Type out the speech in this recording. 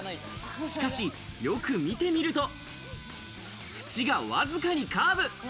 しかし、よく見てみると縁がわずかにカーブ。